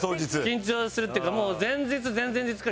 緊張するっていうかもう。